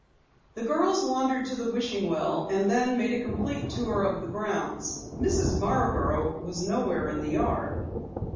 The girls wandered to the wishing well, and then made a complete tour of the grounds. Mrs. Marborough was nowhere in the yard.